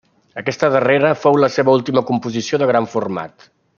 Aquesta darrera fou la seva última composició de gran format.